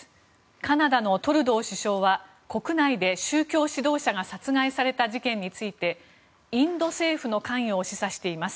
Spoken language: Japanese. カナダのトルドー首相は国内で宗教指導者が殺害された事件についてインド政府の関与を示唆しています。